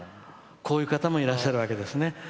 こういう方もいらっしゃるわけですね。